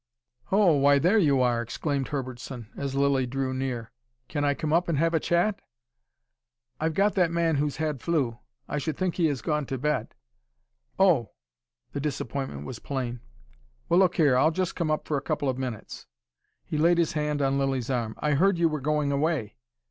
"Oh, why, there you are!" exclaimed Herbertson, as Lilly drew near. "Can I come up and have a chat?" "I've got that man who's had flu. I should think he is gone to bed." "Oh!" The disappointment was plain. "Well, look here I'll just come up for a couple of minutes." He laid his hand on Lilly's arm. "I heard you were going away.